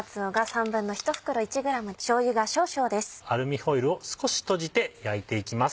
アルミホイルを少し閉じて焼いていきます。